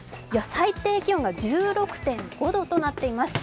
最低気温が１６．５度となっています。